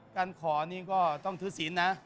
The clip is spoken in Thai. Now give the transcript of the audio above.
การขอนี่ก็ต้องถือศีลนะ